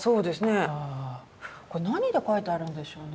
これ何で書いてあるんでしょうね。